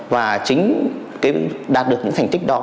và chính đạt được những thành tích đó